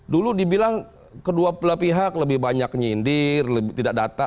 dulu dibilang kedua pihak lebih banyak nyindir tidak data